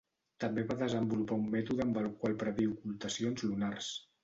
També va desenvolupar un mètode amb el qual predir ocultacions lunars.